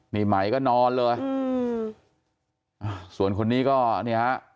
นี่ไหมก็นอนเลยอืมอ่าส่วนคนนี้ก็เนี่ยฮะ